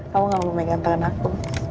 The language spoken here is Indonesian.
kamu gak mau memainkan tangan aku